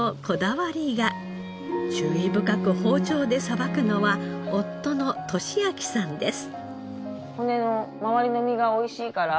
注意深く包丁でさばくのは夫の俊明さんです。